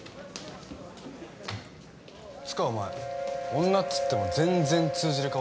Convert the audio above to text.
つかお前女っつっても全然通じる顔してんな。